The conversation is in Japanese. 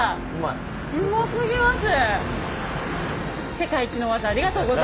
うますぎます！